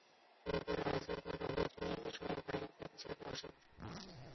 西贝莱斯广场和喷泉已成为马德里的标志性象征。